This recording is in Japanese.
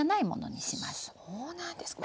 そうなんですか。